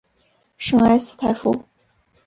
圣埃斯泰夫。